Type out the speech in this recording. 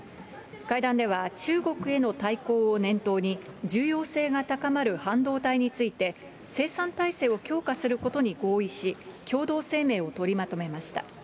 会談では、中国への対抗を念頭に、重要性が高まる半導体について、生産体制を強化することに合意し、共同声明を取りまとめました。